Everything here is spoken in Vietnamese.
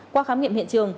qua khám nghiệm hiện trường